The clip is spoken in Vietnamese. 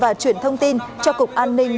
thông tin và chuyển thông tin cho cục an ninh